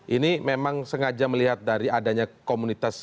ini memang sengaja melihat dari adanya komunitas